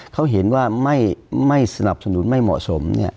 เขาเห็นว่าไม่สนับสนุนไม่เหมาะสม